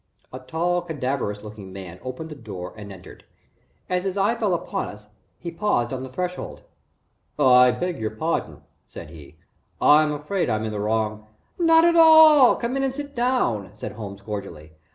A tall cadaverous looking man opened the door and entered. As his eye fell upon us, he paused on the threshold. "I beg your pardon," he said. "I I'm afraid I'm in the wrong " "Not at all come in and sit down," said Holmes, cordially.